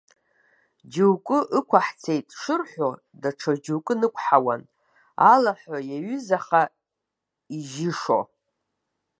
Џьоукы ықәаҳцеит шырҳәо, даҽа џьоукы нықәҳауан, алаҳәа иаҩызаха, ижьышо.